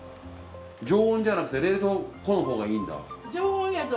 常温じゃなくて冷凍庫のほうがいいんだ。